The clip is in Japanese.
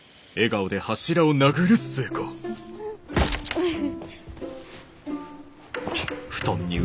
フフ。